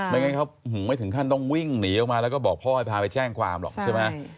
ไม่งั้นเขาไม่ถึงขั้นต้องวิ่งหนีออกมาแล้วก็บอกพ่อให้พาไปแจ้งความหรอกใช่ไหม